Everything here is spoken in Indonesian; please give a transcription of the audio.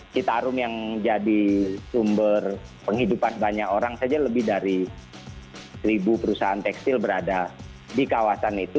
citarum yang jadi sumber penghidupan banyak orang saja lebih dari seribu perusahaan tekstil berada di kawasan itu